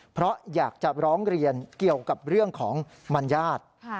เพราะอยากจะร้องเรียนเกี่ยวกับเรื่องของมัญญาติ